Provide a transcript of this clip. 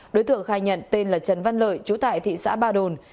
đối tượng khai nhận tên là trần văn lợi chú tại thị xã ba đồn